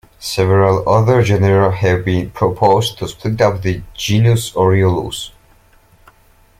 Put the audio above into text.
Several other genera have been proposed to split up the genus "Oriolus".